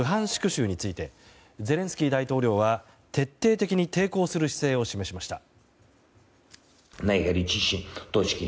州についてゼレンスキー大統領は徹底的に抵抗する姿勢を示しました。